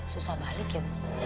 susah balik ya bu